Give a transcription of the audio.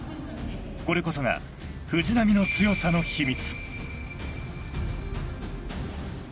これこそが藤波の強さの秘密